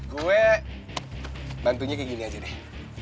gue bantunya kayak gini aja deh